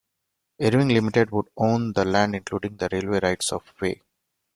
Irving Limited would own the land including the railway rights of way.